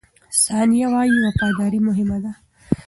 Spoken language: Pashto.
ثانیه وايي، وفاداري مهمه ده.